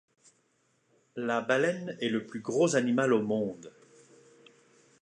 La baleine est le plus gros animal au monde